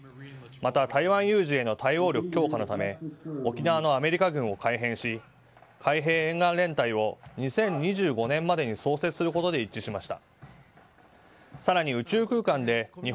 また、台湾有事への対応力強化のため沖縄のアメリカ軍を改編し海兵沿岸連隊を２０２５年までに創設することで一致しました。